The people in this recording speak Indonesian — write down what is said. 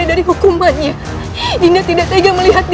adalahkah kali ini apa brazilian berarti